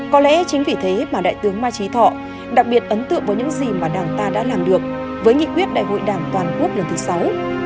có lẽ chính vì thế mà đại tướng ma trí thọ đặc biệt ấn tượng với những gì mà đảng ta đã làm được với nghị quyết đại hội đảng toàn quốc lần thứ sáu